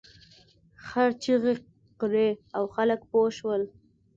خر چیغې کړې او خلک پوه شول.